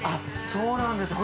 そうなんですね。